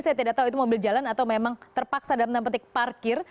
saya tidak tahu itu mobil jalan atau memang terpaksa dalam tanda petik parkir